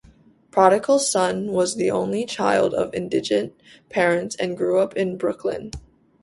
Prodigal Sunn was the only child of indigent parents and grew up in Brooklyn.